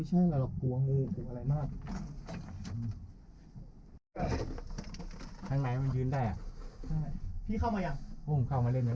ทางไหนมันยืนได้อ่ะทางไหนพี่เข้ามายังโหเข้ามาเล่นยังไหว